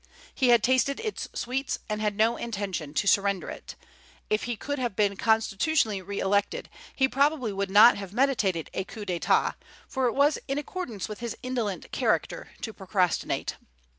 He had tasted its sweets, and had no intention to surrender it. If he could have been constitutionally re elected, he probably would not have meditated a coup d'état, for it was in accordance with his indolent character to procrastinate.